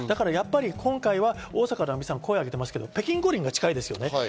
今回は大坂なおみさんが声を上げていますが、北京五輪が近いですよね。